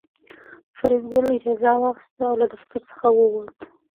فریدګل اجازه واخیسته او له دفتر څخه ووت